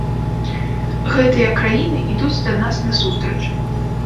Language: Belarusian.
Гэтыя краіны ідуць да нас насустрач.